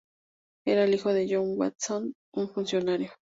Era hijo de John Watson, un funcionario.